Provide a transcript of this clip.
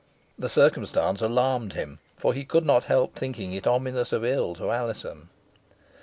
The circumstance alarmed him, for he could not help thinking it ominous of ill to Alizon.